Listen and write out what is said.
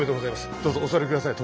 どうぞお座り下さい殿。